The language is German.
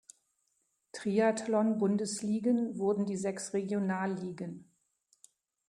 Triathlon-Bundesligen wurden die sechs Regionalligen.